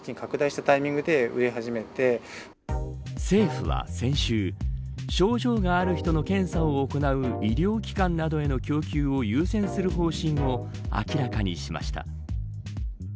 政府は先週症状がある人の検査を行う医療機関などへの供給を優先する方針を明らかにしました。